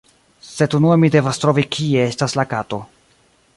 Sed unue mi devas trovi kie estas la kato